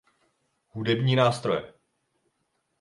Hudební nástroje.